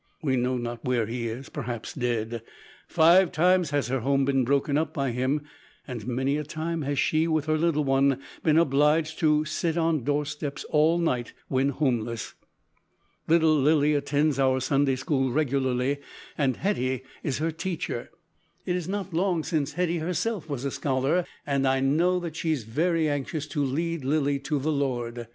We know not where he is, perhaps dead. Five times has her home been broken up by him, and many a time has she with her little one been obliged to sit on doorsteps all night, when homeless. Little Lilly attends our Sunday school regularly, and Hetty is her teacher. It is not long since Hetty herself was a scholar, and I know that she is very anxious to lead Lilly to the Lord.